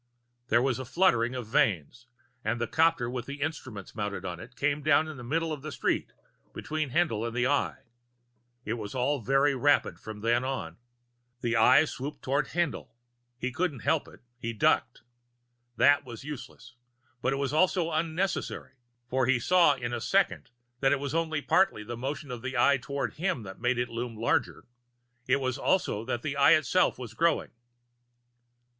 There was a fluttering of vanes and the copter with the instruments mounted on it came down in the middle of the street, between Haendl and the Eye. It was all very rapid from then on. The Eye swooped toward Haendl. He couldn't help it; he ducked. That was useless, but it was also unnecessary, for he saw in a second that it was only partly the motion of the Eye toward him that made it loom larger; it was also that the Eye itself was growing.